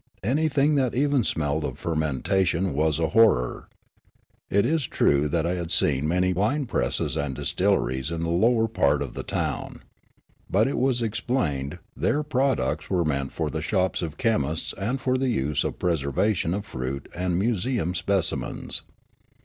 Anything that even smelt of fermentation was a horror. It is true I had seen many wine presses and distilleries 6o Riallaro in the lower part of the town. But, it was explained, their products were meant for the vShops of chemists and for use in the preservation of fruit and museum speci mens.